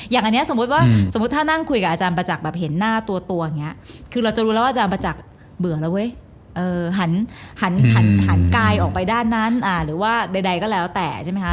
อย่างนี้สมมุติว่าสมมุติถ้านั่งคุยกับอาจารย์ประจักษ์แบบเห็นหน้าตัวอย่างนี้คือเราจะรู้แล้วว่าอาจารย์ประจักษ์เบื่อแล้วเว้ยหันกายออกไปด้านนั้นหรือว่าใดก็แล้วแต่ใช่ไหมคะ